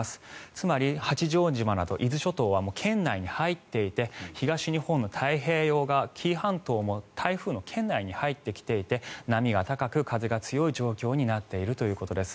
つまり、八丈島など伊豆諸島は圏内に入っていて東日本の太平洋側、紀伊半島も台風の圏内に入ってきていて波が高く風が強い状況になっているということです。